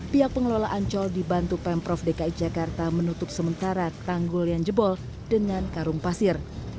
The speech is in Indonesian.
pihak pengelola ancol dibantu pemprov dki jakarta menutup sementara tanggul yang jebol dengan karung pasir